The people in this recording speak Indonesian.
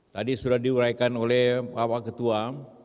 tadi sudah diuraikan oleh bapak ketua